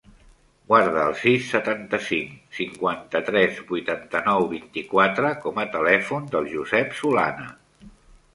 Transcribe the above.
Guarda el sis, setanta-cinc, cinquanta-tres, vuitanta-nou, vint-i-quatre com a telèfon del Josep Solana.